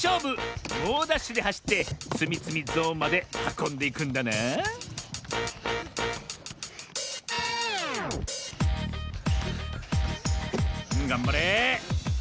もうダッシュではしってつみつみゾーンまではこんでいくんだながんばれ。